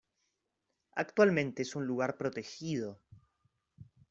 Actualmente es un lugar protegido.